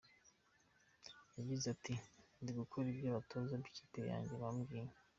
Yagize ati “Ndi gukora ibyo abatoza b’ikipe yanjye bambwiye.